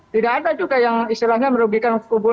tidak ada juga yang istilahnya merugikan kubur dua